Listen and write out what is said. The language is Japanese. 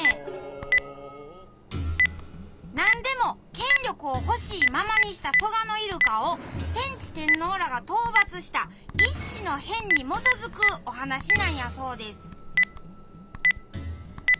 何でも権力を欲しいままにした蘇我入鹿を天智天皇らが討伐した「乙巳の変」に基づくお話なんやそうです。